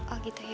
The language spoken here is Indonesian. oh gitu ya